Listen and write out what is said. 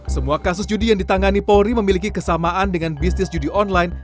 semua kasus judi yang ditangani polri memiliki kesamaan dengan bisnis judi online